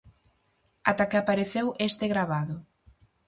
Ata que apareceu este gravado.